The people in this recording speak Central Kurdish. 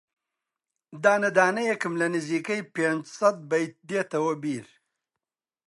دانە دانەیێکم لە نزیکەی پێنجسەد بەیت دێتەوە بیر